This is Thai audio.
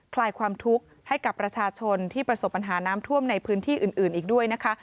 ลายความทุกข์ให้กับประชาชนที่ประสบปัญหาน้ำท่วมในพื้นที่อื่นอีกด้วยนะคะ